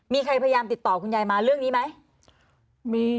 มีใครพยายามติดต่อคุณยายมาเรื่องนี้ไหม